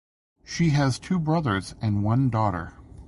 She has two brothers and one daughter.